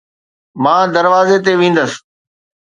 مان دروازي تي ويندس